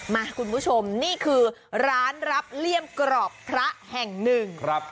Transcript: มาคุณผู้ชมนี่คือร้านรับเลี่ยมกรอบพระแห่งหนึ่งครับ